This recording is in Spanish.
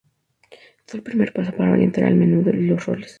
Fue el primer paso para orientar el menú a los roles.